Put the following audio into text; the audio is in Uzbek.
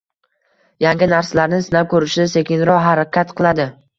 Yangi narsalarni sinab ko’rishda sekinroq harakat qiladi